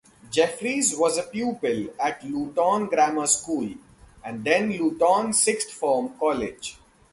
Jeffreys was a pupil at Luton Grammar School and then Luton Sixth Form College.